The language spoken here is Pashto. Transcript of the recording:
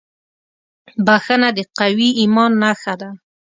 • بښنه د قوي ایمان نښه ده.